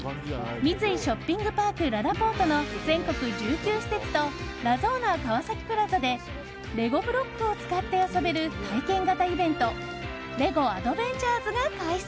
三井ショッピングパークららぽーとの全国１９施設とラゾーナ川崎プラザでレゴブロックを使って遊べる体験型イベントレゴアドベンチャーズが開催。